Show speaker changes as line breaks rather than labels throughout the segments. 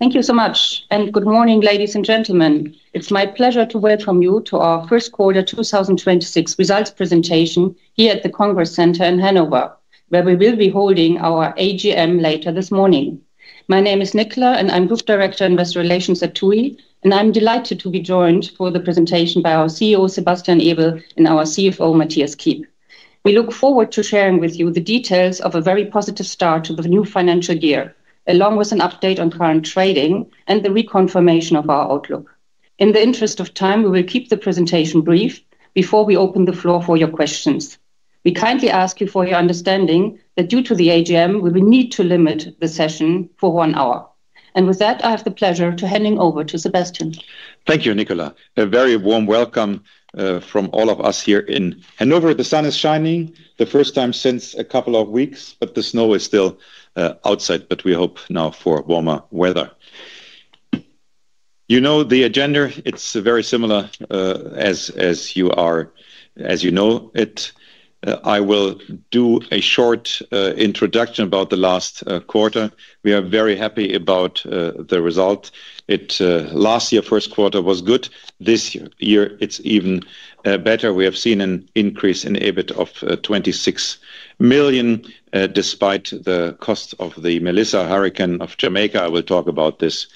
Thank you so much, and good morning, ladies and gentlemen. It's my pleasure to welcome you to our first quarter 2026 results presentation here at the Congress Center in Hanover, where we will be holding our AGM later this morning. My name is Nicola, and I'm Group Director of Investor Relations at TUI, and I'm delighted to be joined for the presentation by our CEO Sebastian Ebel and our CFO Mathias Kiep. We look forward to sharing with you the details of a very positive start to the new financial year, along with an update on current trading and the reconfirmation of our outlook. In the interest of time, we will keep the presentation brief before we open the floor for your questions. We kindly ask you for your understanding that due to the AGM, we will need to limit the session for one hour. With that, I have the pleasure of handing over to Sebastian.
Thank you, Nicola. A very warm welcome from all of us here in Hanover. The sun is shining the first time since a couple of weeks, but the snow is still outside, but we hope now for warmer weather. You know the agenda. It's very similar as you know it. I will do a short introduction about the last quarter. We are very happy about the result. Last year's first quarter was good. This year, it's even better. We have seen an increase in EBIT of 26 million despite the costs of the Hurricane Melissa of Jamaica. I will talk about this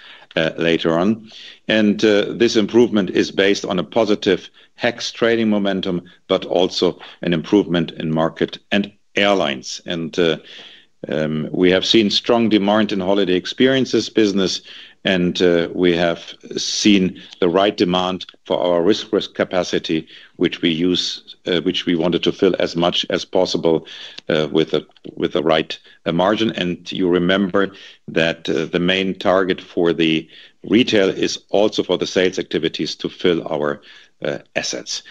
later on. This improvement is based on a positive HEX trading momentum, but also an improvement in market and airlines. We have seen strong demand in Holiday Experiences business, and we have seen the right demand for our risk capacity, which we wanted to fill as much as possible with the right margin. You remember that the main target for the retail is also for the sales activities to fill our assets.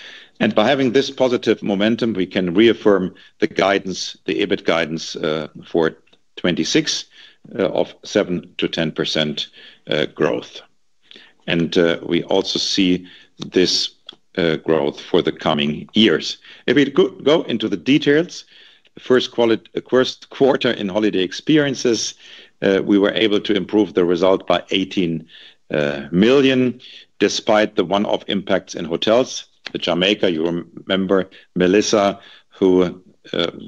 By having this positive momentum, we can reaffirm the EBIT guidance for 2026 of 7%-10% growth. We also see this growth for the coming years. If we go into the details, first quarter in Holiday Experiences, we were able to improve the result by 18 million despite the one-off impacts in hotels. Jamaica, you remember Melissa, who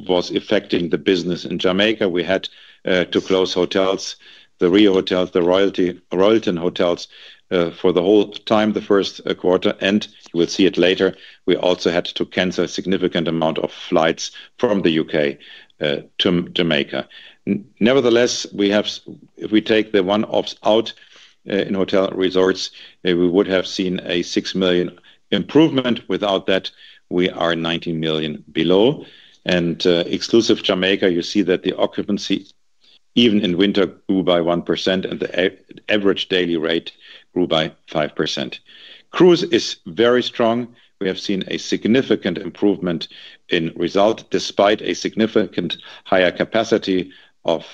was affecting the business in Jamaica. We had to close hotels, the RIU hotels, the Royalton hotels for the whole time the first quarter. You will see it later. We also had to cancel a significant amount of flights from the U.K. to Jamaica. Nevertheless, if we take the one-offs out in hotel resorts, we would have seen a 6 million improvement. Without that, we are 19 million below. Excluding Jamaica, you see that the occupancy even in winter grew by 1%, and the average daily rate grew by 5%. Cruise is very strong. We have seen a significant improvement in result despite a significant higher capacity of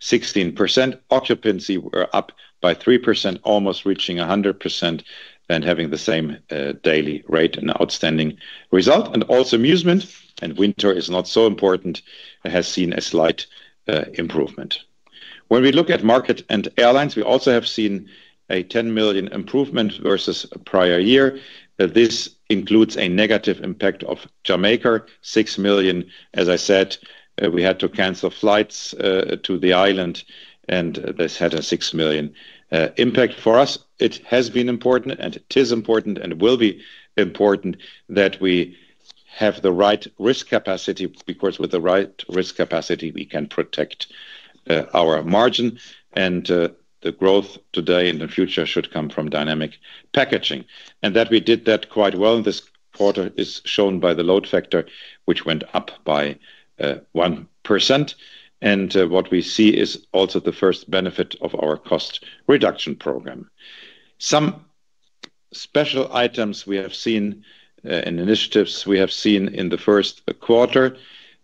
16%. Occupancy were up by 3%, almost reaching 100% and having the same daily rate, an outstanding result. And also Musement, and winter is not so important, has seen a slight improvement. When we look at market and airlines, we also have seen a 10 million improvement versus a prior year. This includes a negative impact of Jamaica, 6 million. As I said, we had to cancel flights to the island, and this had a 6 million impact for us. It has been important, and it is important, and will be important that we have the right risk capacity because with the right risk capacity, we can protect our margin. The growth today and the future should come from dynamic packaging and that we did that quite well. This quarter is shown by the load factor, which went up by 1%. What we see is also the first benefit of our cost reduction program. Some special items we have seen in initiatives we have seen in the first quarter.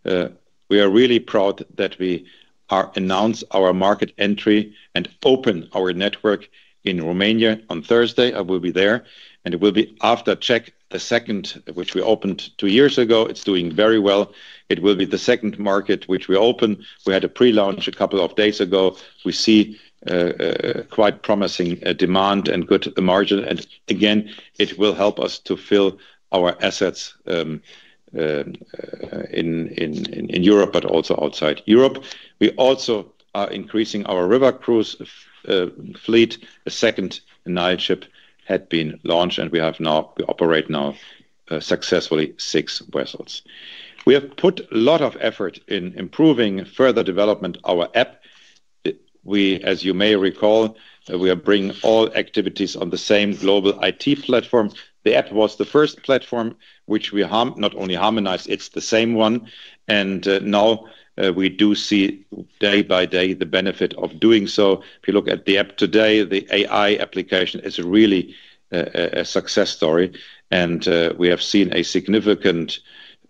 We are really proud that we announced our market entry and opened our network in Romania on Thursday. I will be there, and it will be after Czech the second, which we opened two years ago. It's doing very well. It will be the second market which we open. We had a pre-launch a couple of days ago. We see quite promising demand and good margin. And again, it will help us to fill our assets in Europe, but also outside Europe. We also are increasing our river cruise fleet. A second Nile ship had been launched, and we operate now successfully six vessels. We have put a lot of effort in improving further development our app. As you may recall, we are bringing all activities on the same global IT platform. The app was the first platform which we not only harmonized. It's the same one. And now we do see day by day the benefit of doing so. If you look at the app today, the AI application is really a success story. We have seen a significant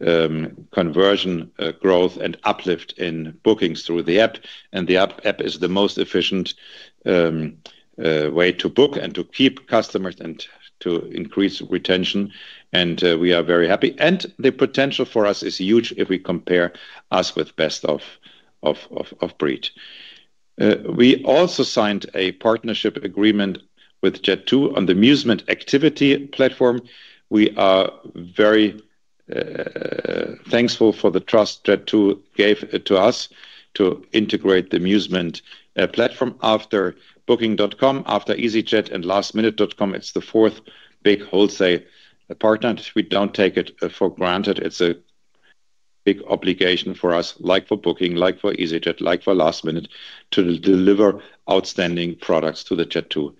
conversion growth and uplift in bookings through the app. The app is the most efficient way to book and to keep customers and to increase retention. We are very happy. The potential for us is huge if we compare us with best of breed. We also signed a partnership agreement with Jet2 on the Musement activity platform. We are very thankful for the trust Jet2 gave to us to integrate the Musement platform after Booking.com, after easyJet, and lastminute.com. It's the fourth big wholesale partner. We don't take it for granted. It's a big obligation for us, like for Booking, like for easyJet, like for lastminute, to deliver outstanding products to the Jet2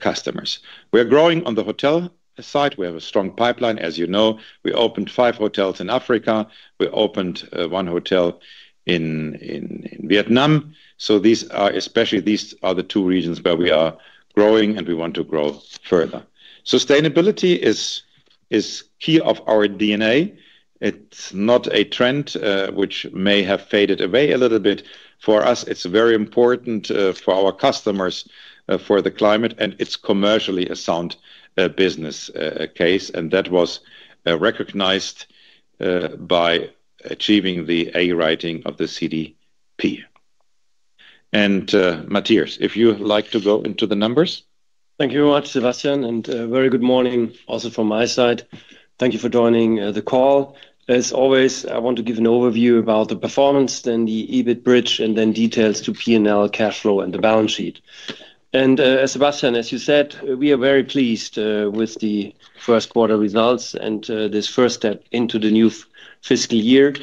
customers. We are growing on the hotel side. We have a strong pipeline. As you know, we opened five hotels in Africa. We opened one hotel in Vietnam. Especially these are the two regions where we are growing, and we want to grow further. Sustainability is key of our DNA. It's not a trend which may have faded away a little bit for us. It's very important for our customers, for the climate, and it's commercially a sound business case. That was recognized by achieving the A rating of the CDP. Mathias, if you like to go into the numbers.
Thank you very much, Sebastian. Very good morning also from my side. Thank you for joining the call. As always, I want to give an overview about the performance, then the EBIT bridge, and then details to P&L, cash flow, and the balance sheet. Sebastian, as you said, we are very pleased with the first quarter results and this first step into the new fiscal year.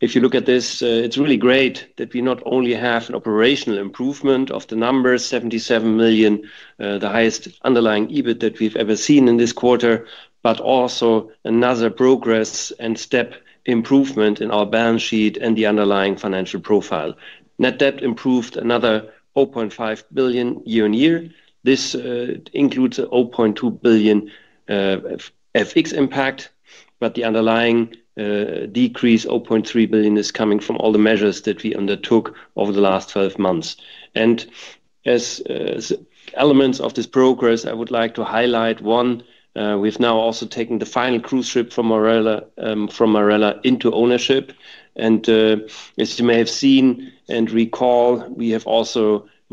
If you look at this, it's really great that we not only have an operational improvement of the numbers, 77 million, the highest underlying EBIT that we've ever seen in this quarter, but also another progress and step improvement in our balance sheet and the underlying financial profile. Net debt improved another 0.5 billion year-on-year. This includes a 0.2 billion FX impact, but the underlying decrease, 0.3 billion, is coming from all the measures that we undertook over the last 12 months. And as elements of this progress, I would like to highlight one. We've now also taken the final cruise ship from Marella into ownership. And as you may have seen and recall, we have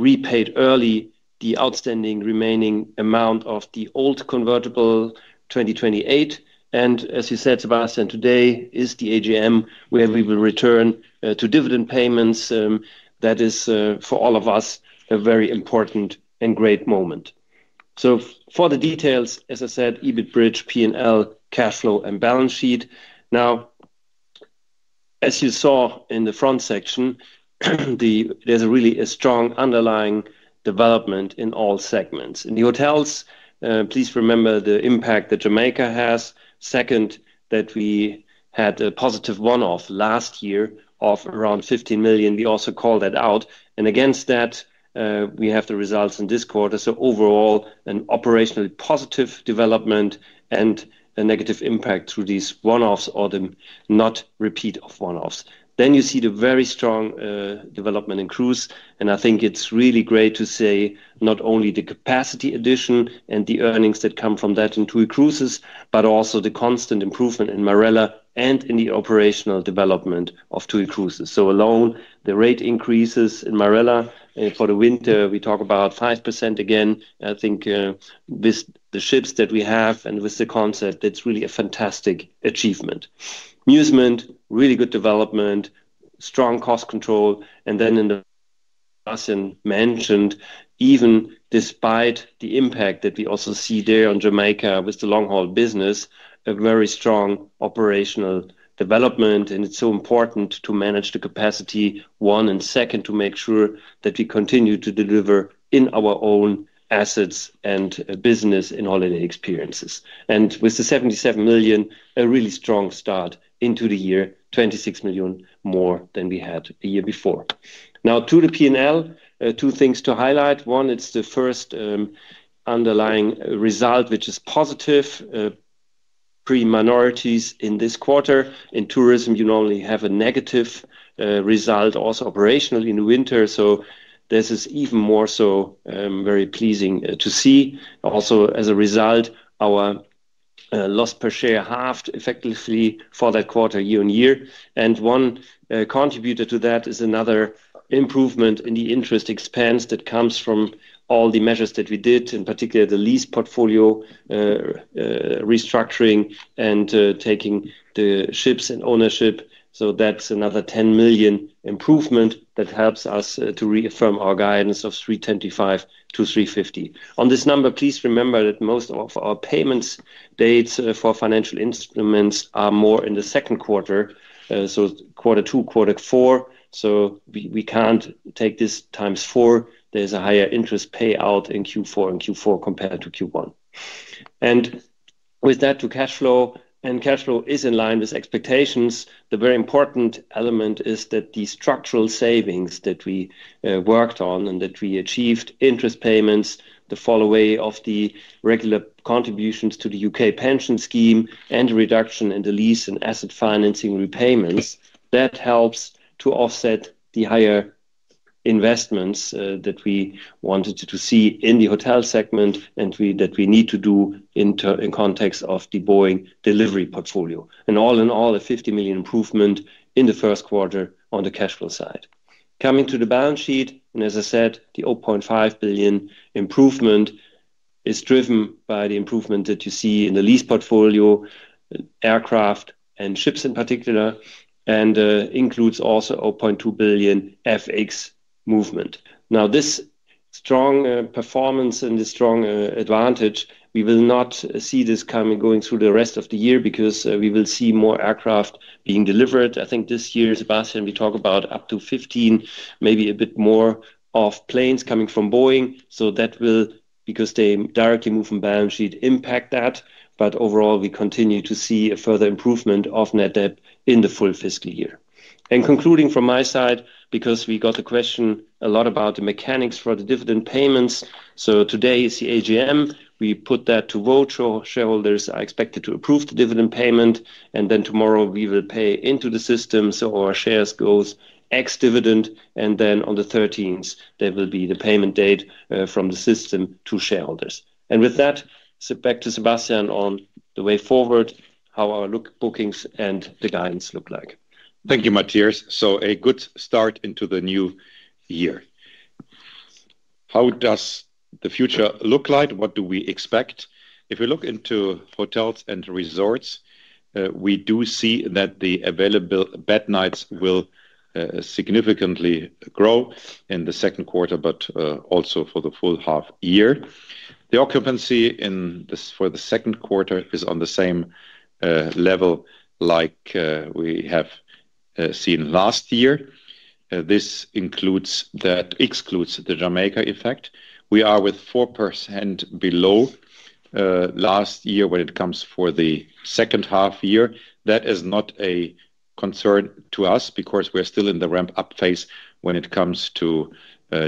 also repaid early the outstanding remaining amount of the old convertible 2028. And as you said, Sebastian, today is the AGM where we will return to dividend payments. That is for all of us a very important and great moment. So for the details, as I said, EBIT bridge, P&L, cash flow, and balance sheet. Now, as you saw in the front section, there's really a strong underlying development in all segments. In the hotels, please remember the impact that Jamaica has. Second, that we had a positive one-off last year of around 15 million. We also called that out. Against that, we have the results in this quarter. Overall, an operationally positive development and a negative impact through these one-offs or the not-repeat of one-offs. You see the very strong development in cruise. I think it's really great to say not only the capacity addition and the earnings that come from that in TUI Cruises, but also the constant improvement in Marella and in the operational development of TUI Cruises. Alone, the rate increases in Marella for the winter, we talk about 5% again. I think with the ships that we have and with the concept, that's really a fantastic achievement. Musement, really good development, strong cost control. And then, as Sebastian mentioned, even despite the impact that we also see there on Jamaica with the long-haul business, a very strong operational development. And it's so important to manage the capacity, first and second, to make sure that we continue to deliver in our own assets and business in Holiday Experiences. And with the 77 million, a really strong start into the year, 26 million more than we had the year before. Now, to the P&L, two things to highlight. One, it's the first underlying result, which is positive, pre-minorities in this quarter. In tourism, you normally have a negative result, also operationally in winter. So this is even more so very pleasing to see. Also, as a result, our loss per share halved effectively for that quarter year-on-year. And one contributor to that is another improvement in the interest expense that comes from all the measures that we did, in particular, the lease portfolio restructuring and taking the ships in ownership. So that's another 10 million improvement that helps us to reaffirm our guidance of 325 million to 350 million. On this number, please remember that most of our payment dates for financial instruments are more in the second quarter, so quarter two, quarter four. So we can't take this times four. There's a higher interest payout in Q2 and Q4 compared to Q1. And with that, to cash flow. And cash flow is in line with expectations. The very important element is that the structural savings that we worked on and that we achieved, interest payments, the follow-on of the regular contributions to the U.K. pension scheme, and reduction in the lease and asset financing repayments, that helps to offset the higher investments that we wanted to see in the hotel segment and that we need to do in context of the Boeing delivery portfolio. And all in all, a 50 million improvement in the first quarter on the cash flow side. Coming to the balance sheet, and as I said, the 0.5 billion improvement is driven by the improvement that you see in the lease portfolio, aircraft and ships in particular, and includes also 0.2 billion FX movement. Now, this strong performance and this strong advantage, we will not see this coming going through the rest of the year because we will see more aircraft being delivered. I think this year, Sebastian, we talk about up to 15, maybe a bit more of planes coming from Boeing. So that will, because they directly move from balance sheet, impact that. But overall, we continue to see a further improvement of net debt in the full fiscal year. And concluding from my side, because we got the question a lot about the mechanics for the dividend payments. So today is the AGM. We put that to vote. Shareholders are expected to approve the dividend payment. And then tomorrow, we will pay into the system. So our shares go ex-dividend. And then on the 13th, there will be the payment date from the system to shareholders. With that, back to Sebastian on the way forward, how our bookings and the guidance look like.
Thank you, Mathias. So a good start into the new year. How does the future look like? What do we expect? If we look into hotels and resorts, we do see that the available bed nights will significantly grow in the second quarter, but also for the full half year. The occupancy for the second quarter is on the same level like we have seen last year. This excludes the Jamaica effect. We are with 4% below last year when it comes for the second half year. That is not a concern to us because we're still in the ramp-up phase when it comes to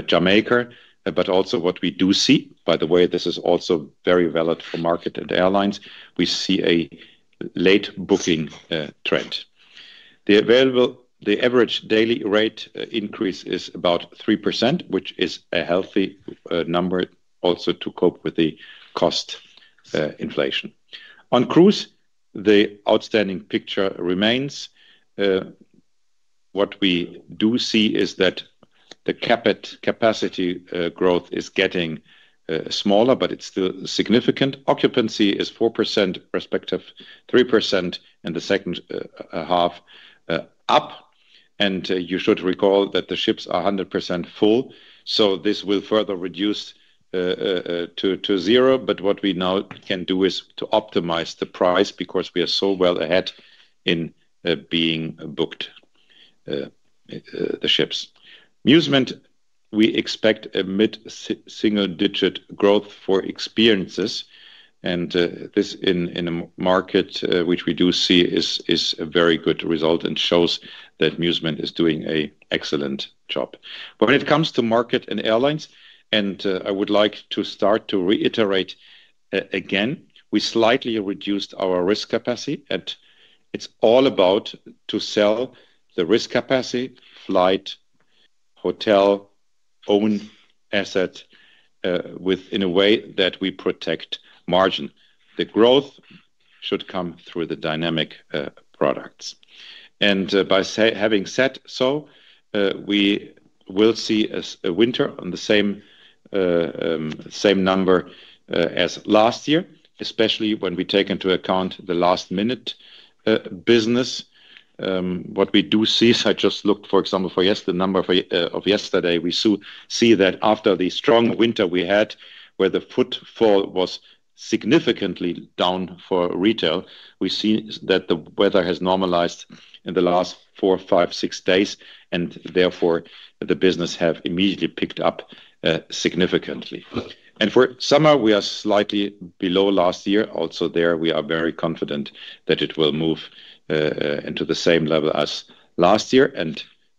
Jamaica. But also what we do see, by the way, this is also very valid for market and airlines. We see a late booking trend. The average daily rate increase is about 3%, which is a healthy number also to cope with the cost inflation. On cruise, the outstanding picture remains. What we do see is that the capacity growth is getting smaller, but it's still significant. Occupancy is 4%, respective 3%, and the second half up. You should recall that the ships are 100% full. This will further reduce to zero. What we now can do is to optimize the price because we are so well ahead in being booked the ships. Musement, we expect a mid-single-digit growth for experiences. This in a market which we do see is a very good result and shows that Musement is doing an excellent job. When it comes to market and airlines, and I would like to start to reiterate again, we slightly reduced our risk capacity. It's all about to sell the risk capacity, flight, hotel, own asset in a way that we protect margin. The growth should come through the dynamic products. By having said so, we will see a winter on the same number as last year, especially when we take into account the last-minute business. What we do see, I just looked, for example, for yesterday, the number of yesterday, we see that after the strong winter we had where the footfall was significantly down for retail, we see that the weather has normalized in the last four, five, six days. And therefore, the business has immediately picked up significantly. For summer, we are slightly below last year. Also there, we are very confident that it will move into the same level as last year.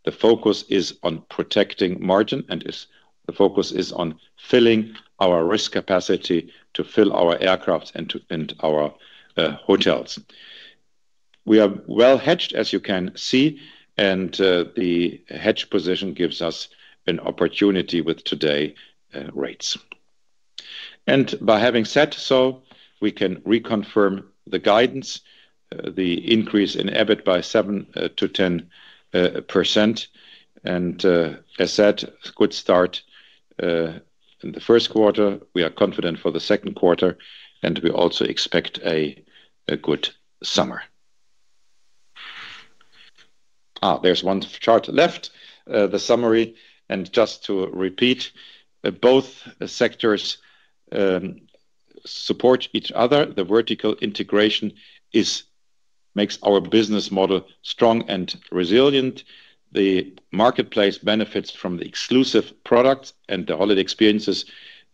The focus is on protecting margin. The focus is on filling our risk capacity to fill our aircraft and our hotels. We are well hedged, as you can see. The hedge position gives us an opportunity with today's rates. By having said so, we can reconfirm the guidance, the increase in EBIT by 7%-10%. As said, good start in the first quarter. We are confident for the second quarter. We also expect a good summer. There's one chart left, the summary. Just to repeat, both sectors support each other. The vertical integration makes our business model strong and resilient. The marketplace benefits from the exclusive products, and the Holiday Experiences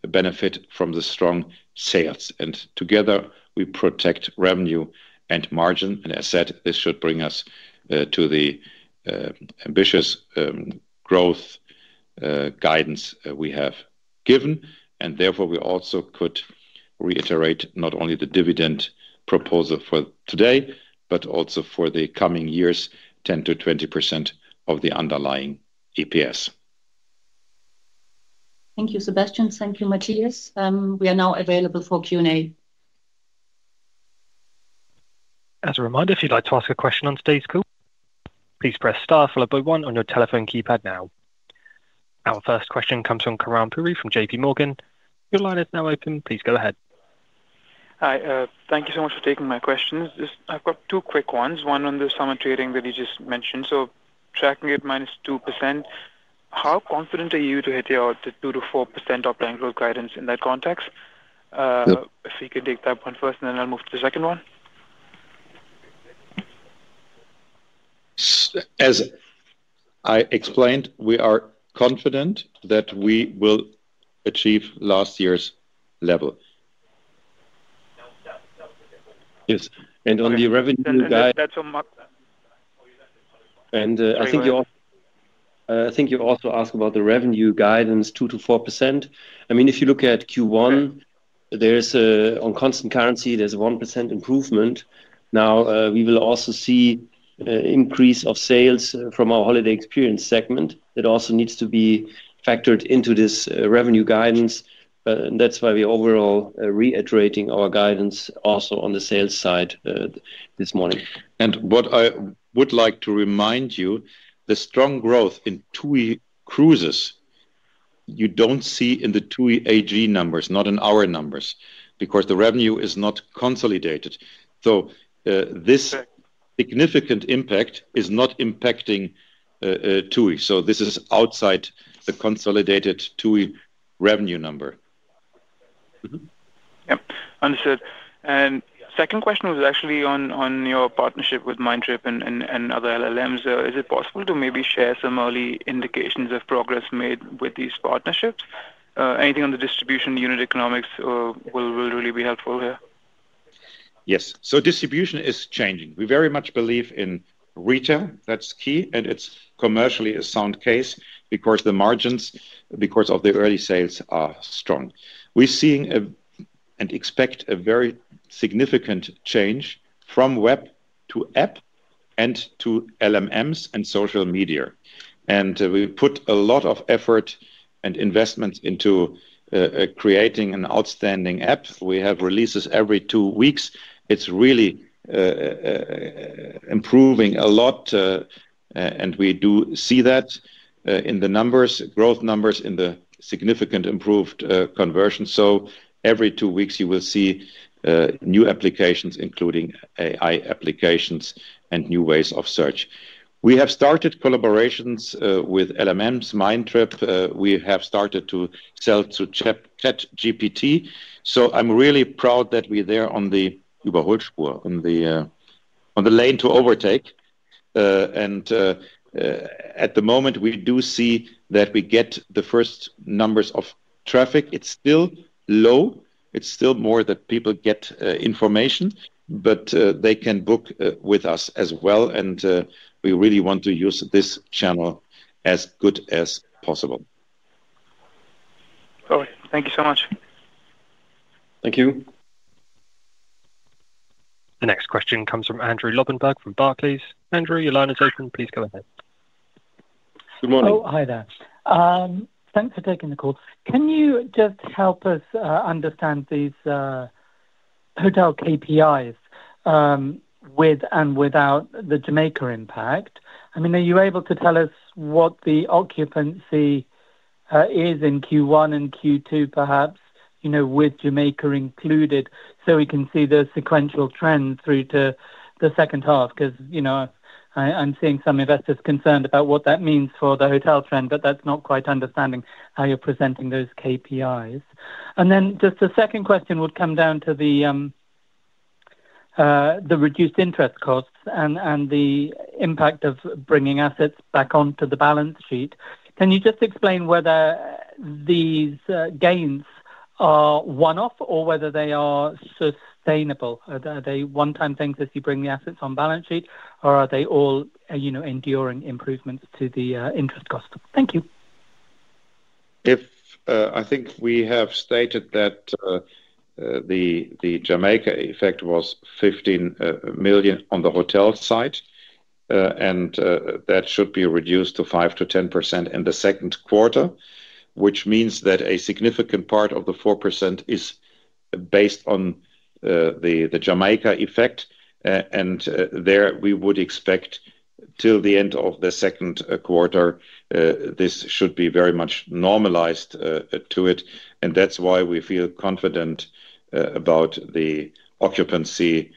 benefit from the strong sales. Together, we protect revenue and margin. As said, this should bring us to the ambitious growth guidance we have given. And therefore, we also could reiterate not only the dividend proposal for today, but also for the coming years, 10%-20% of the underlying EPS.
Thank you, Sebastian. Thank you, Mathias. We are now available for Q&A.
As a reminder, if you'd like to ask a question on today's call, please press star followed by one on your telephone keypad now. Our first question comes from Karan Puri from J.P. Morgan. Your line is now open. Please go ahead.
Hi. Thank you so much for taking my questions. I've got two quick ones. One on the summer trading that you just mentioned. So tracking at -2%, how confident are you to hit the 2%-4% operating growth guidance in that context? If you can take that one first, and then I'll move to the second one.
As I explained, we are confident that we will achieve last year's level. Yes. And on the revenue guidance.
I think you also asked about the revenue guidance, 2%-4%. I mean, if you look at Q1, on constant currency, there's a 1% improvement. Now, we will also see an increase of sales from our Holiday Experiences segment that also needs to be factored into this revenue guidance. That's why we're overall reiterating our guidance also on the sales side this morning.
What I would like to remind you, the strong growth in TUI Cruises, you don't see in the TUI AG numbers, not in our numbers, because the revenue is not consolidated. So this significant impact is not impacting TUI. So this is outside the consolidated TUI revenue number.
Yeah. Understood. Second question was actually on your partnership with Mindtrip and other LLMs. Is it possible to maybe share some early indications of progress made with these partnerships? Anything on the distribution, unit economics will really be helpful here.
Yes. So distribution is changing. We very much believe in retail. That's key. And it's commercially a sound case because the margins because of the early sales are strong. We're seeing and expect a very significant change from web to app and to LLMs and social media. And we put a lot of effort and investments into creating an outstanding app. We have releases every two weeks. It's really improving a lot. And we do see that in the numbers, growth numbers in the significant improved conversion. So every two weeks, you will see new applications, including AI applications and new ways of search. We have started collaborations with LLMs, Mindtrip. We have started to sell to ChatGPT. So I'm really proud that we're there on the Überholspur, on the lane to overtake. And at the moment, we do see that we get the first numbers of traffic. It's still low. It's still more that people get information, but they can book with us as well. We really want to use this channel as good as possible.
All right. Thank you so much.
Thank you.
The next question comes from Andrew Lobbenberg from Barclays. Andrew, your line is open. Please go ahead.
Good morning. Oh, hi there. Thanks for taking the call. Can you just help us understand these hotel KPIs with and without the Jamaica impact? I mean, are you able to tell us what the occupancy is in Q1 and Q2, perhaps, with Jamaica included so we can see the sequential trend through to the second half? Because I'm seeing some investors concerned about what that means for the hotel trend, but that's not quite understanding how you're presenting those KPIs. And then just the second question would come down to the reduced interest costs and the impact of bringing assets back onto the balance sheet. Can you just explain whether these gains are one-off or whether they are sustainable? Are they one-time things as you bring the assets on balance sheet, or are they all enduring improvements to the interest cost? Thank you.
I think we have stated that the Jamaica effect was 15 million on the hotel side. That should be reduced to 5%-10% in the second quarter, which means that a significant part of the 4% is based on the Jamaica effect. There, we would expect till the end of the second quarter, this should be very much normalized to it. That's why we feel confident about the occupancy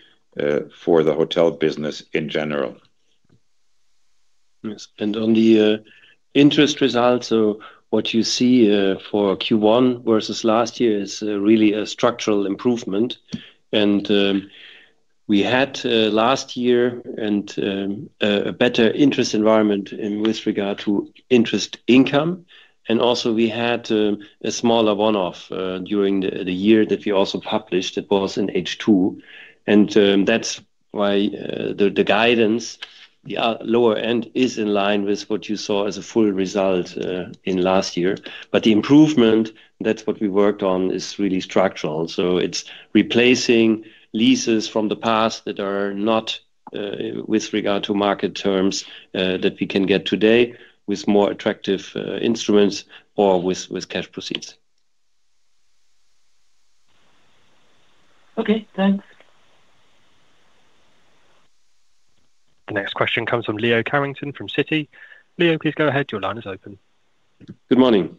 for the hotel business in general.
Yes. On the interest results, so what you see for Q1 versus last year is really a structural improvement. We had last year a better interest environment with regard to interest income. Also, we had a smaller one-off during the year that we also published that was in H2. That's why the guidance, the lower end, is in line with what you saw as a full result in last year. But the improvement, that's what we worked on, is really structural. It's replacing leases from the past that are not with regard to market terms that we can get today with more attractive instruments or with cash proceeds.
Okay. Thanks.
The next question comes from Leo Carrington from Citi. Leo, please go ahead. Your line is open.
Good morning. Good morning.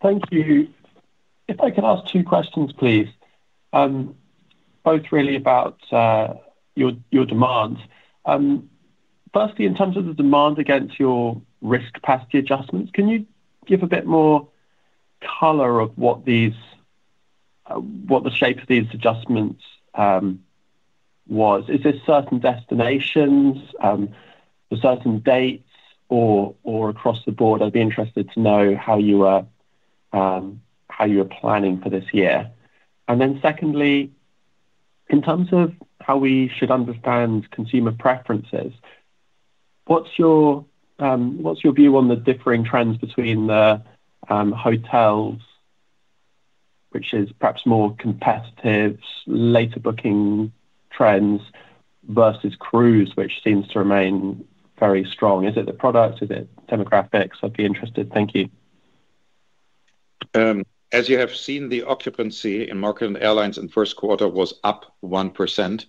Thank you. If I could ask two questions, please, both really about your demands. Firstly, in terms of the demand against your risk capacity adjustments, can you give a bit more color of what the shape of these adjustments was? Is there certain destinations, certain dates, or across the board? I'd be interested to know how you are planning for this year. And then secondly, in terms of how we should understand consumer preferences, what's your view on the differing trends between the hotels, which is perhaps more competitive, later booking trends versus cruise, which seems to remain very strong? Is it the product? Is it demographics? I'd be interested. Thank you.
As you have seen, the occupancy in market and airlines in the first quarter was up 1%.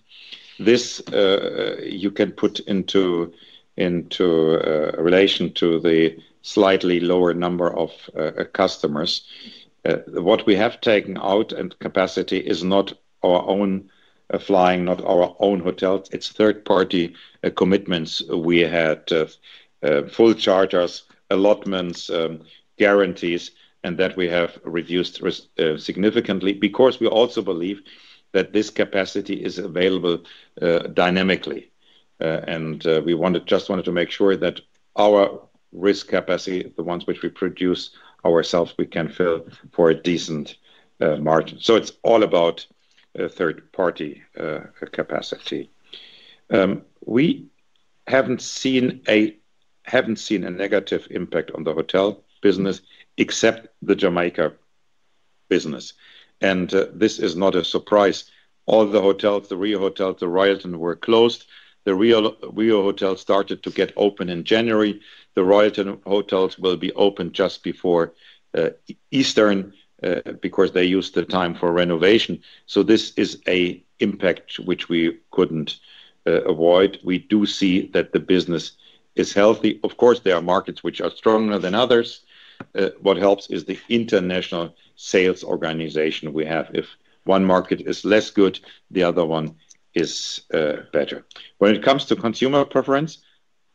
This you can put into relation to the slightly lower number of customers. What we have taken out in capacity is not our own flying, not our own hotels. It's third-party commitments we had, full charters, allotments, guarantees, and that we have reduced significantly because we also believe that this capacity is available dynamically. And we just wanted to make sure that our risk capacity, the ones which we produce ourselves, we can fill for a decent margin. So it's all about third-party capacity. We haven't seen a negative impact on the hotel business except the Jamaica business. And this is not a surprise. All the hotels, the RIU hotels, the Royalton were closed. The RIU hotels started to get open in January. The Royalton hotels will be open just before Easter because they used the time for renovation. So this is an impact which we couldn't avoid. We do see that the business is healthy. Of course, there are markets which are stronger than others. What helps is the international sales organization we have. If one market is less good, the other one is better. When it comes to consumer preference,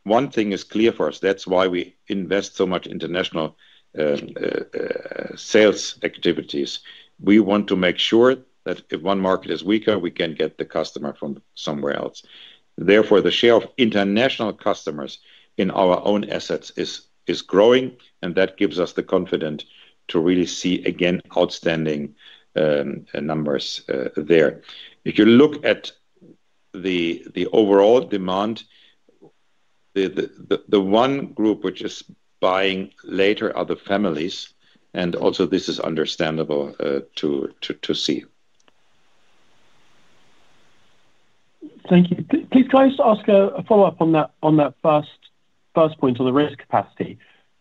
one thing is clear for us. That's why we invest so much in international sales activities. We want to make sure that if one market is weaker, we can get the customer from somewhere else. Therefore, the share of international customers in our own assets is growing. And that gives us the confidence to really see, again, outstanding numbers there. If you look at the overall demand, the one group which is buying later are the families. Also, this is understandable to see.
Thank you. Could you please ask a follow-up on that first point on the risk capacity?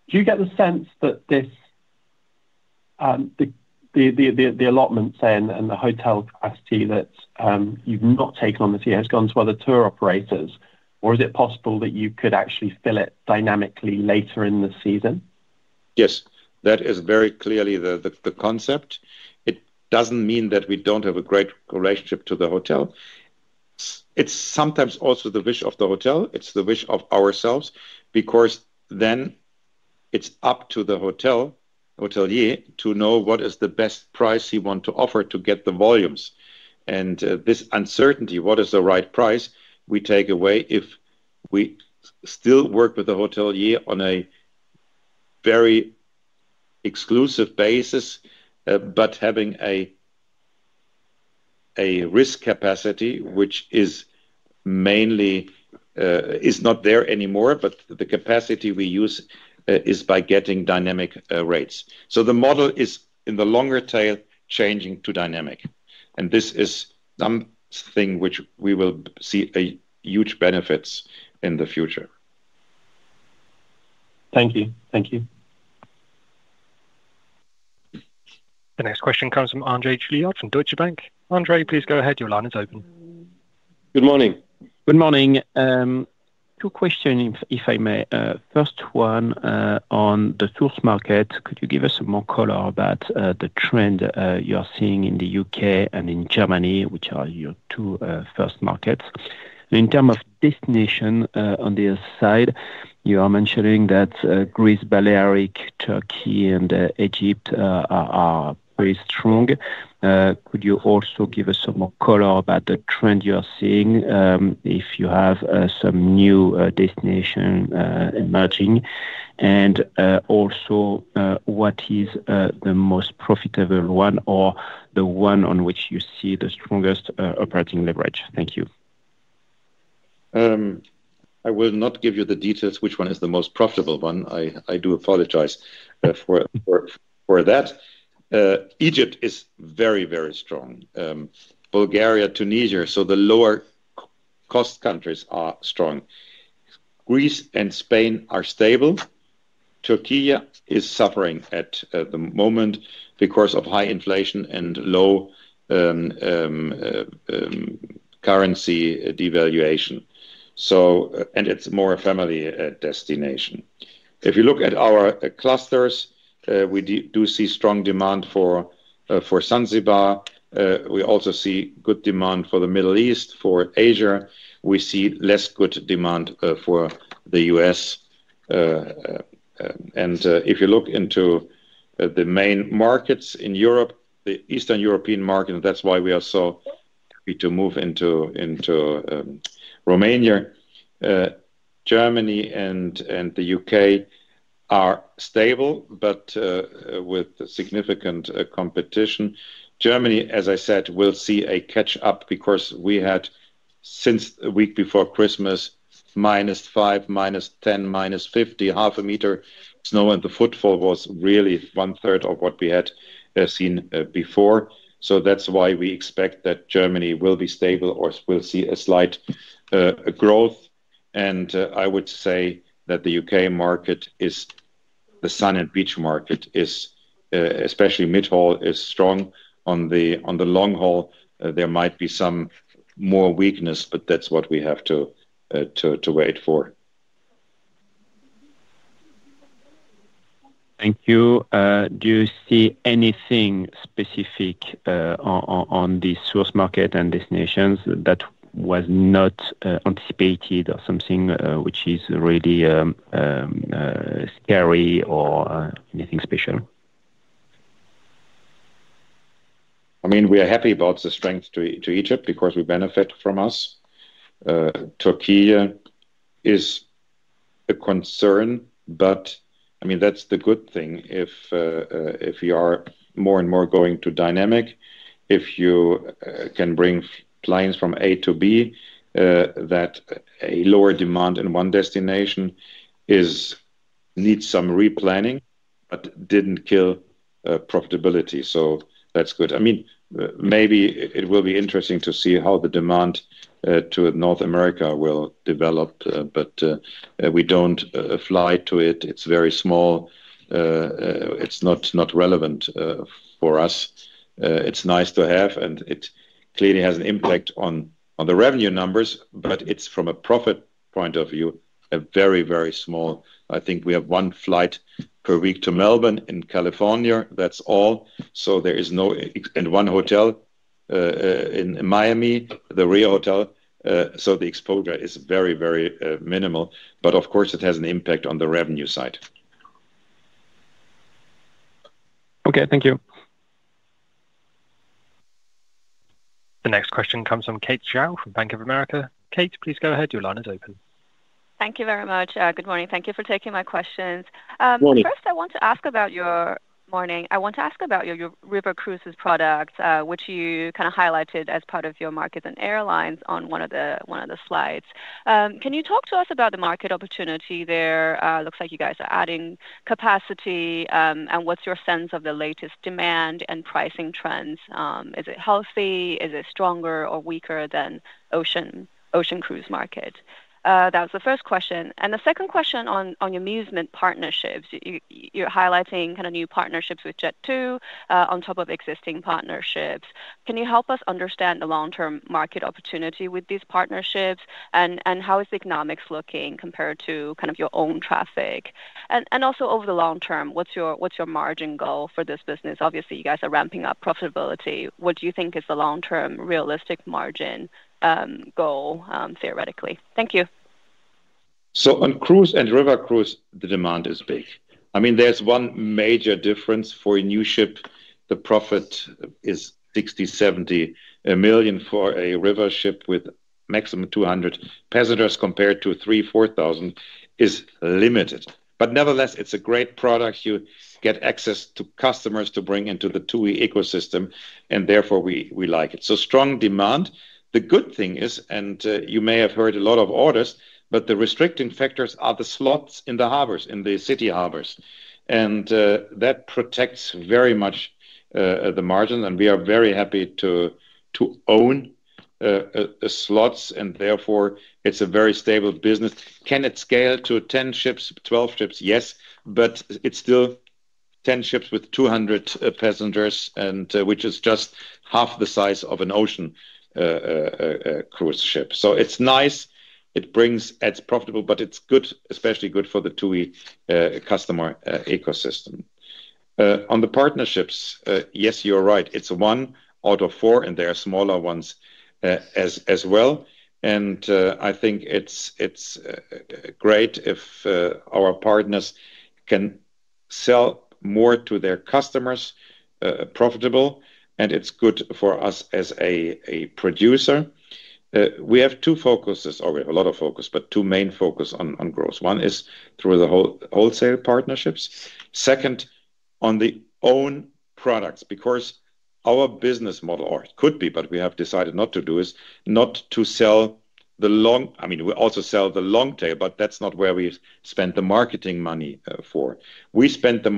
Do you get the sense that the allotment, say, and the hotel capacity that you've not taken on this year has gone to other tour operators? Or is it possible that you could actually fill it dynamically later in the season?
Yes. That is very clearly the concept. It doesn't mean that we don't have a great relationship to the hotel. It's sometimes also the wish of the hotel. It's the wish of ourselves because then it's up to the hotel, hotelier, to know what is the best price he wants to offer to get the volumes. And this uncertainty, what is the right price, we take away if we still work with the hotelier on a very exclusive basis, but having a risk capacity which is not there anymore, but the capacity we use is by getting dynamic rates. So the model is, in the longer tail, changing to dynamic. And this is something which we will see huge benefits in the future.
Thank you.
Thank you.
The next question comes from André Juillard from Deutsche Bank. Andre, please go ahead. Your line is open.
Good morning. Good morning. Two questions, if I may. First one on the tourist market. Could you give us some more color about the trend you are seeing in the U.K. and in Germany, which are your two first markets? And in terms of destination, on the other side, you are mentioning that Greece, Balearic, Turkey, and Egypt are very strong. Could you also give us some more color about the trend you are seeing if you have some new destination emerging? And also, what is the most profitable one or the one on which you see the strongest operating leverage? Thank you.
I will not give you the details which one is the most profitable one. I do apologize for that. Egypt is very, very strong. Bulgaria, Tunisia, so the lower-cost countries are strong. Greece and Spain are stable. Türkiye is suffering at the moment because of high inflation and low currency devaluation. And it's more a family destination. If you look at our clusters, we do see strong demand for Zanzibar. We also see good demand for the Middle East, for Asia. We see less good demand for the U.S. And if you look into the main markets in Europe, the Eastern European market, and that's why we are so happy to move into Romania, Germany, and the U.K. are stable but with significant competition. Germany, as I said, will see a catch-up because we had, since the week before Christmas, -5, -10, -50, half a meter snow, and the footfall was really one-third of what we had seen before. So that's why we expect that Germany will be stable or will see a slight growth. And I would say that the UK market, the sun-and-beach market, especially mid-haul, is strong. On the long haul, there might be some more weakness, but that's what we have to wait for.
Thank you. Do you see anything specific on these tourist markets and destinations that was not anticipated or something which is really scary or anything special?
I mean, we are happy about the strength to Egypt because we benefit from us. Türkiye is a concern, but I mean, that's the good thing if you are more and more going to dynamic. If you can bring planes from A to B, that a lower demand in one destination needs some replanning but didn't kill profitability. So that's good. I mean, maybe it will be interesting to see how the demand to North America will develop, but we don't fly to it. It's very small. It's not relevant for us. It's nice to have, and it clearly has an impact on the revenue numbers, but it's, from a profit point of view, a very, very small. I think we have one flight per week to Melbourne in California. That's all. And one hotel in Miami, the RIU hotel. So the exposure is very, very minimal. But of course, it has an impact on the revenue side.
Okay. Thank you.
The next question comes from Kate Zhao from Bank of America. Kate, please go ahead. Your line is open.
Thank you very much. Good morning. Thank you for taking my questions.
Good morning.
First, I want to ask about your margin. I want to ask about your River Cruises product, which you kind of highlighted as part of your markets and airlines on one of the slides. Can you talk to us about the market opportunity there? Looks like you guys are adding capacity. And what's your sense of the latest demand and pricing trends? Is it healthy? Is it stronger or weaker than the ocean cruise market? That was the first question. And the second question on Musement partnerships, you're highlighting kind of new partnerships with Jet2 on top of existing partnerships. Can you help us understand the long-term market opportunity with these partnerships? And how is the economics looking compared to kind of your own traffic? And also, over the long term, what's your margin goal for this business? Obviously, you guys are ramping up profitability. What do you think is the long-term realistic margin goal, theoretically? Thank you.
So on cruise and river cruise, the demand is big. I mean, there's one major difference. For a new ship, the profit is 60 million-70 million. For a river ship with maximum 200 passengers compared to 3,000-4,000, it's limited. But nevertheless, it's a great product. You get access to customers to bring into the two-way ecosystem. And therefore, we like it. So strong demand. The good thing is, and you may have heard a lot of orders, but the restricting factors are the slots in the harbors, in the city harbors. And that protects very much the margins. And we are very happy to own slots. And therefore, it's a very stable business. Can it scale to 10 ships, 12 ships? Yes. But it's still 10 ships with 200 passengers, which is just half the size of an ocean cruise ship. So it's nice. It's profitable, but it's especially good for the two-way customer ecosystem. On the partnerships, yes, you're right. It's one out of four, and there are smaller ones as well. And I think it's great if our partners can sell more to their customers, profitable. And it's good for us as a producer. We have two focuses or a lot of focus, but two main focuses on growth. One is through the wholesale partnerships. Second, on the own products because our business model, or it could be, but we have decided not to do, is not to sell the long I mean, we also sell the long tail, but that's not where we spend the marketing money for. We spend the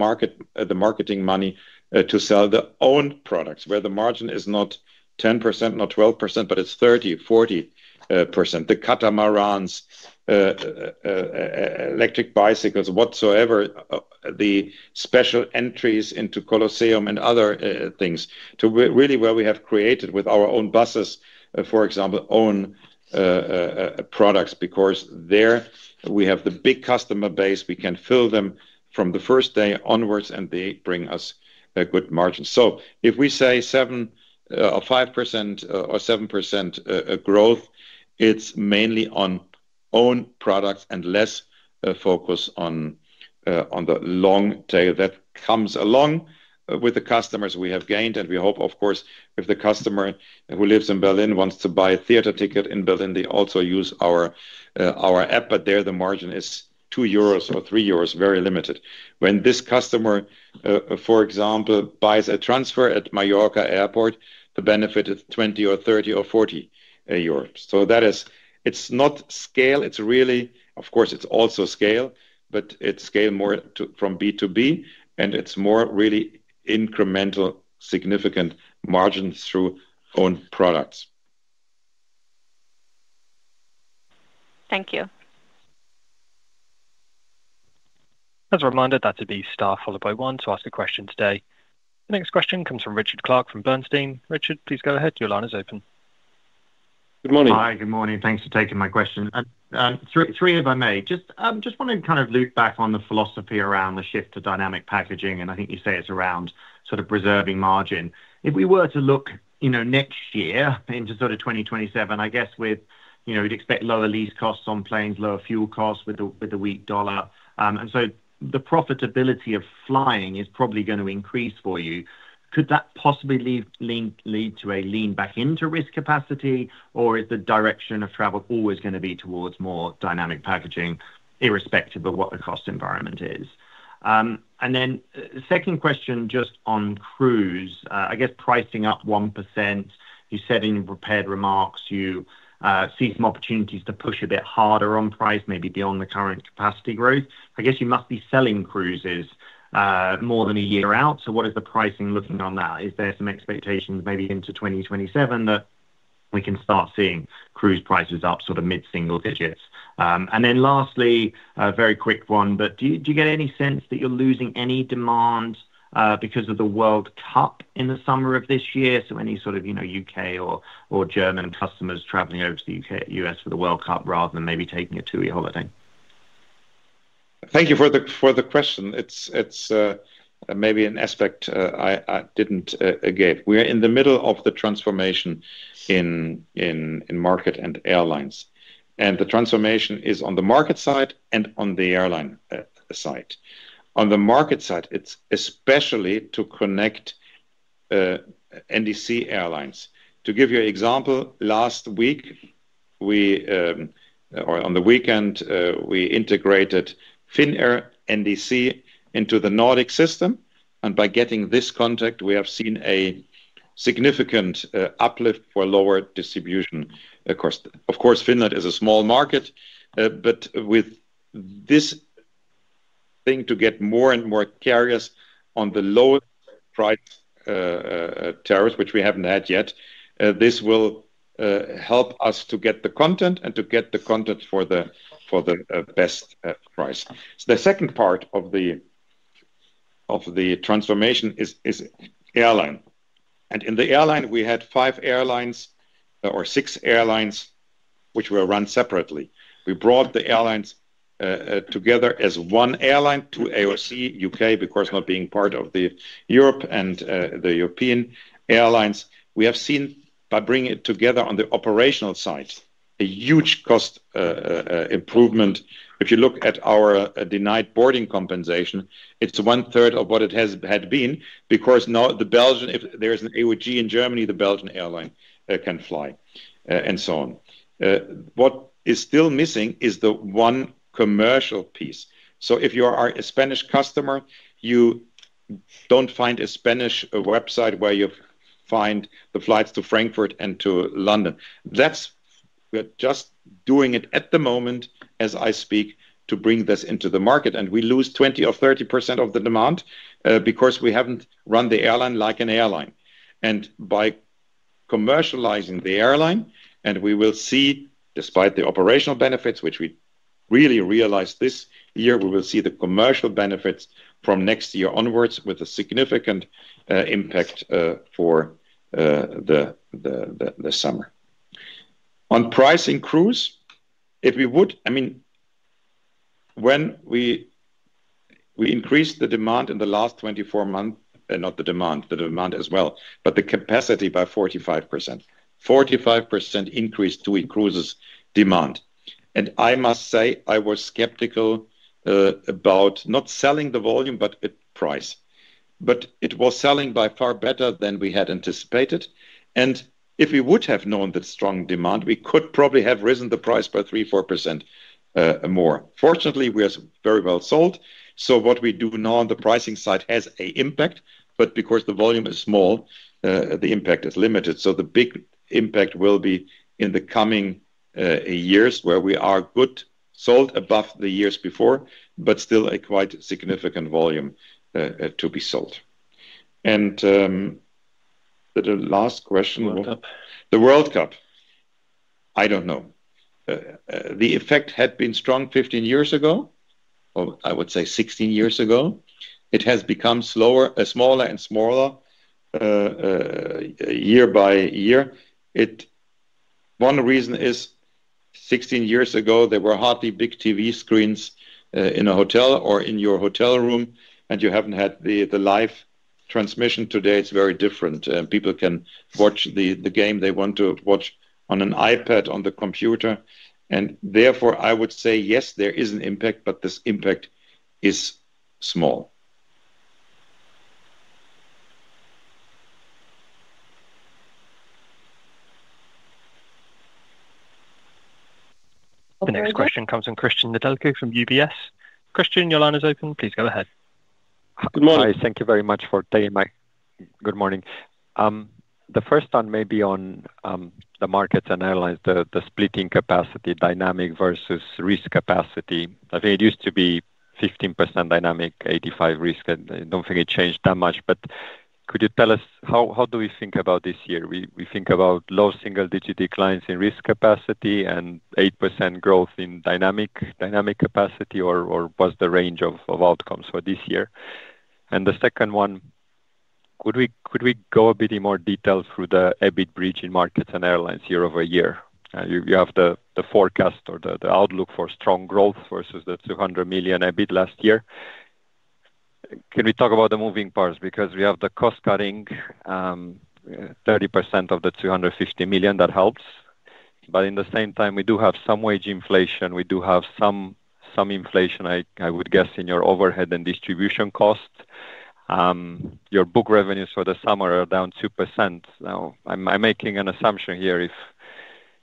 marketing money to sell the own products where the margin is not 10%, not 12%, but it's 30%-40%. The catamarans, electric bicycles, whatsoever, the special entries into the Colosseum and other things, to really where we have created with our own buses, for example, own products because there we have the big customer base. We can fill them from the first day onwards, and they bring us good margins. So if we say 5% or 7% growth, it's mainly on own products and less focus on the long tail that comes along with the customers we have gained. We hope, of course, if the customer who lives in Berlin wants to buy a theater ticket in Berlin, they also use our app. But there the margin is 2 euros or 3 euros, very limited. When this customer, for example, buys a transfer at Mallorca Airport, the benefit is 20 or 30 or 40 euros. So it's not scale. Of course, it's also scale, but it's scale more from B2B. It's more really incremental, significant margins through own products.
Thank you.
As a reminder, that's press star one to ask a question today. The next question comes from Richard Clarke from Bernstein. Richard, please go ahead. Your line is open.
Good morning.
Hi. Good morning. Thanks for taking my question. And three if I may. I just want to kind of loop back on the philosophy around the shift to dynamic packaging. And I think you say it's around sort of preserving margin. If we were to look next year into sort of 2027, I guess we'd expect lower lease costs on planes, lower fuel costs with the weak dollar. And so the profitability of flying is probably going to increase for you. Could that possibly lead to a lean back into risk capacity? Or is the direction of travel always going to be towards more dynamic packaging irrespective of what the cost environment is? And then second question just on cruise, I guess pricing up 1%. You said in your prepared remarks, you see some opportunities to push a bit harder on price, maybe beyond the current capacity growth. I guess you must be selling cruises more than a year out. So what is the pricing looking on that? Is there some expectations maybe into 2027 that we can start seeing cruise prices up sort of mid-single digits? And then lastly, a very quick one, but do you get any sense that you're losing any demand because of the World Cup in the summer of this year? So any sort of U.K. or German customers traveling over to the U.S. for the World Cup rather than maybe taking a two-way holiday?
Thank you for the question. It's maybe an aspect I didn't give. We are in the middle of the transformation in market and airlines. The transformation is on the market side and on the airline side. On the market side, it's especially to connect NDC airlines. To give you an example, last week or on the weekend, we integrated Finnair NDC into the Nordic system. By getting this contact, we have seen a significant uplift for lower distribution. Of course, Finland is a small market. But with this thing to get more and more carriers on the lowest price tariffs, which we haven't had yet, this will help us to get the content and to get the content for the best price. The second part of the transformation is airline. In the airline, we had five airlines or six airlines which were run separately. We brought the airlines together as one airline to AOC U.K. because not being part of Europe and the European airlines. We have seen, by bringing it together on the operational side, a huge cost improvement. If you look at our denied boarding compensation, it's 1/3 of what it had been because now the Belgian if there is an AOG in Germany, the Belgian airline can fly and so on. What is still missing is the one commercial piece. So if you are a Spanish customer, you don't find a Spanish website where you find the flights to Frankfurt and to London. We're just doing it at the moment as I speak to bring this into the market. We lose 20%-30% of the demand because we haven't run the airline like an airline. By commercializing the airline and we will see, despite the operational benefits, which we really realized this year, we will see the commercial benefits from next year onwards with a significant impact for the summer. On pricing cruise, if we would I mean, when we increased the demand in the last 24 months not the demand, the demand as well, but the capacity by 45%, 45% increase to increase cruises demand. And I must say I was skeptical about not selling the volume, but price. But it was selling by far better than we had anticipated. And if we would have known that strong demand, we could probably have risen the price by 3%-4% more. Fortunately, we are very well sold. So what we do now on the pricing side has an impact. But because the volume is small, the impact is limited. So the big impact will be in the coming years where we are good sold above the years before, but still a quite significant volume to be sold. The last question will.
World Cup.
The World Cup, I don't know. The effect had been strong 15 years ago, or I would say 16 years ago. It has become smaller and smaller year by year. One reason is 16 years ago, there were hardly big TV screens in a hotel or in your hotel room. And you haven't had the live transmission. Today, it's very different. People can watch the game they want to watch on an iPad, on the computer. And therefore, I would say, yes, there is an impact, but this impact is small.
The next question comes from Cristian Nedelcu from UBS. Cristian, your line is open. Please go ahead.
Good morning.
Hi. Thank you very much for taking my good morning. The first one may be on the markets and airlines, the splitting capacity, dynamic versus risk capacity. I think it used to be 15% dynamic, 85% risk. I don't think it changed that much. But could you tell us how do we think about this year? We think about low single-digit declines in risk capacity and 8% growth in dynamic capacity, or was the range of outcomes for this year? And the second one, could we go a bit more detail through the EBIT bridge in markets and airlines year-over-year? You have the forecast or the outlook for strong growth versus the 200 million EBIT last year. Can we talk about the moving parts? Because we have the cost-cutting, 30% of the 250 million, that helps. At the same time, we do have some wage inflation. We do have some inflation, I would guess, in your overhead and distribution costs. Your booked revenues for the summer are down 2% year-over-year. Now, I'm making an assumption here. If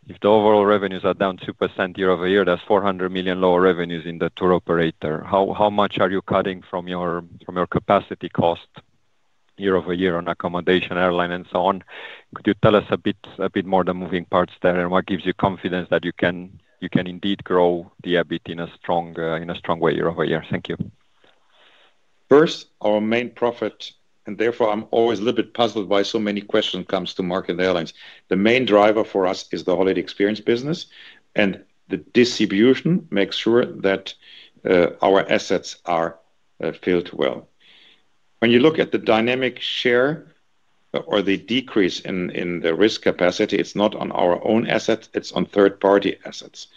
the overall revenues are down 2% year-over-year, that's 400 million lower revenues in the tour operator. How much are you cutting from your capacity cost year-over-year on accommodation, airline, and so on? Could you tell us a bit more of the moving parts there? And what gives you confidence that you can indeed grow the EBIT in a strong way year-over-year? Thank you.
First, our main profit and therefore, I'm always a little bit puzzled why so many questions come to market airlines. The main driver for us is the Holiday Experiences business. And the distribution makes sure that our assets are filled well. When you look at the dynamic share or the decrease in the risk capacity, it's not on our own assets. It's on third-party assets.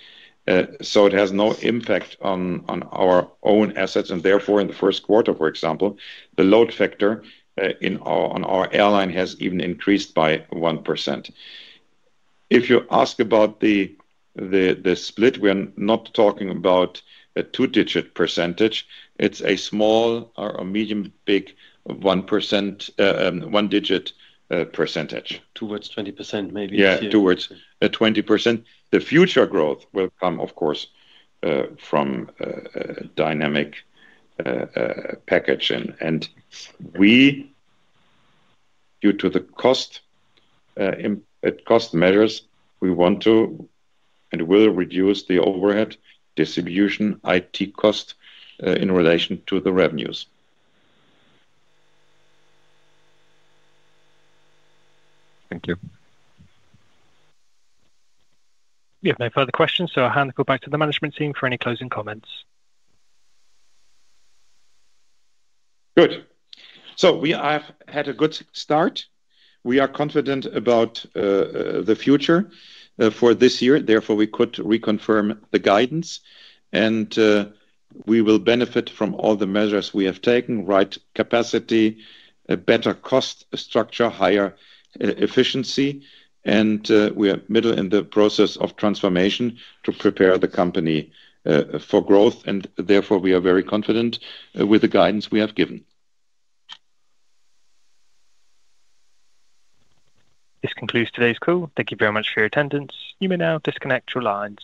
So it has no impact on our own assets. And therefore, in the first quarter, for example, the load factor on our airline has even increased by 1%. If you ask about the split, we are not talking about a two-digit percentage. It's a small or a medium-big one-digit percentage.
Towards 20% maybe this year.
Yeah, towards 20%. The future growth will come, of course, from dynamic packaging. And due to the cost measures, we want to and will reduce the overhead distribution IT cost in relation to the revenues.
Thank you.
We have no further questions. I'll hand the floor back to the management team for any closing comments.
Good. So we have had a good start. We are confident about the future for this year. Therefore, we could reconfirm the guidance. We will benefit from all the measures we have taken: right capacity, better cost structure, higher efficiency. We are in the middle of the process of transformation to prepare the company for growth. Therefore, we are very confident with the guidance we have given.
This concludes today's call. Thank you very much for your attendance. You may now disconnect your lines.